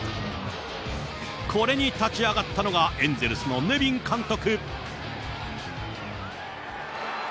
これに立ち上がったのが、エンゼルスのネビン監督。